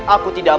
aku tidak mau